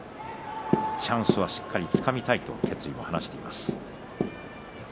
チャンスはしっかりつかみたいと決意を話しています。